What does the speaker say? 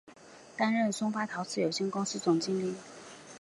担任松发陶瓷有限公司总经理。